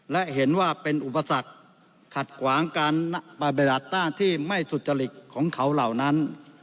และเห็นว่าเป็นอุปสรรคขัดขวางการปฏิบัติหน้าที่ไม่สุจริตของเขาเหล่านั้น